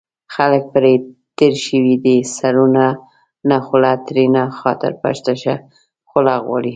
خلک پرې تېر شوي دي سرونو نه خوله ترېنه خاطر په تشه خوله غواړي